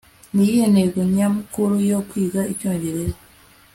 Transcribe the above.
niyihe ntego nyamukuru yo kwiga icyongereza